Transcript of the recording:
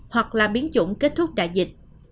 hoặc là biến chủng kết thúc đại dịch